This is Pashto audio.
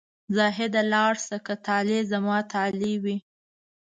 زاهده لاړ شه که طالع زما طالع وي.